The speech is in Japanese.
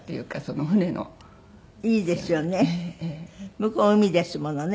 向こう海ですものね